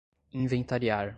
inventariar